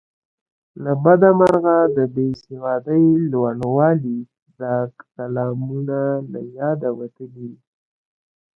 له بده مرغه د بې سوادۍ لوړوالي دا کلامونه له یاده وتلي.